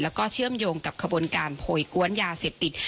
แล้วก็เชื่อมโยงกับขบวนการโพยกวนยาเสพติด